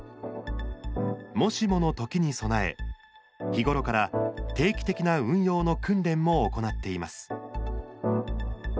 もしものときに備え日頃から定期的な運用の訓練も行っています。